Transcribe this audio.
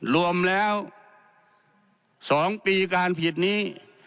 รวมแล้ว๒ปีการผิดนี้